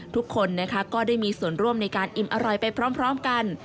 ทุกคนนะคะก็ได้มีส่วนร่วมในการอิ่มอร่อยไปพร้อมกัน